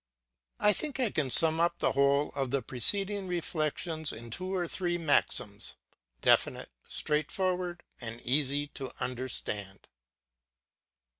I think I can sum up the whole of the preceding reflections in two or three maxims, definite, straightforward, and easy to understand.